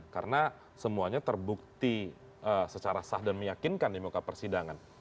karena semuanya terbukti secara sah dan meyakinkan di muka persidangan